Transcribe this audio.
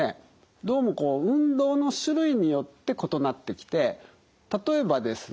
どうもこう運動の種類によって異なってきて例えばですね